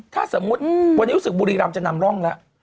ถ้าสมมุติวันนี้รู้สึกบุรีรำจะนำร่องแล้ว